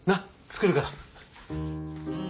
作るから。